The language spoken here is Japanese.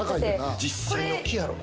実際の木やろ。